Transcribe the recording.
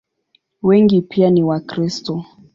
Wengi pia ni Wakristo.